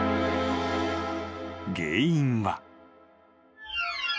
［原因は］